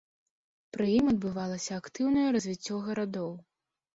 Пры ім адбывалася актыўнае развіццё гарадоў.